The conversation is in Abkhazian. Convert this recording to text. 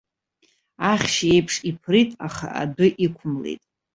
Ахьшь еиԥш иԥрит, аха адәы иқәымлеит.